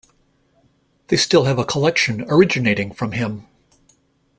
They still have a collection originating from him.